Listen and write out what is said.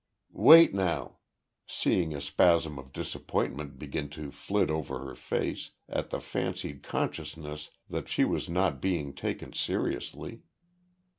"Wait now," seeing a spasm of disappointment begin to flit over her face, at the fancied consciousness that she was not being taken seriously.